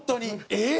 えっ？